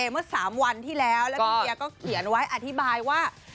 เมื่อ๓วันที่แล้วแล้วน้องเดียก็เขียนไว้อธิบายว่า